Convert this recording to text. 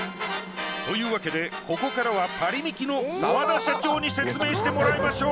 というわけでここからはパリミキの澤田社長に説明してもらいましょう。